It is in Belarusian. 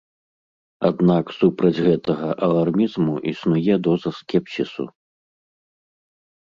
Аднак супраць гэтага алармізму існуе доза скепсісу.